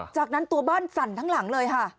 จากนั้นตัวบ้านสั่นทั้งหลังเลยค่ะ